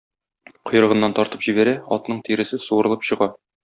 Койрыгыннан тартып җибәрә - атның тиресе суырылып чыга.